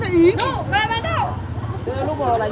có một người bị thương